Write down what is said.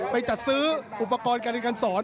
ไปจัดซื้ออุปกรณ์การเอกันสอน